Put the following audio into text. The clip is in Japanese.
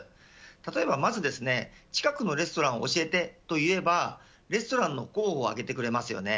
例えば、まず近くのレストランを教えてと言えばレストランの候補を上げてくれますよね。